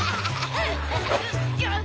うっ！